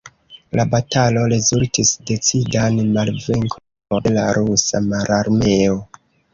La batalo rezultis decidan malvenkon de la Rusa Mararmeo.